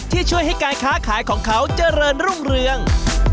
ช่วยให้การค้าขายของเขาเจริญรุ่งเรือง